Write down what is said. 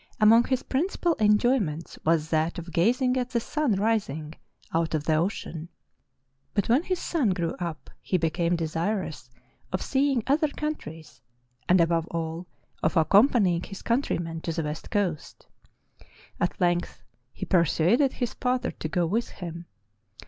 Among his principal enjoyments was that of gazing at the sun rising out of the ocean. But when his son grew up he became de sirous of seeing other countries and above all of accom panying his countrymen to the west coast. At length 334 True Tales of Arctic Heroism he persuaded his father to go with him.